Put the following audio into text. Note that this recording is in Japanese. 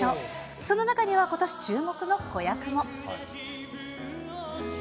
その中にはことし注目の子役も。